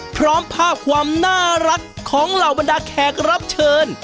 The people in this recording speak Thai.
พร้อมภาพความน่ารักของเหล่าบรรดาแขกรับเชิญ